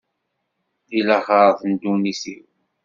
Di laxert n ddunit-iw.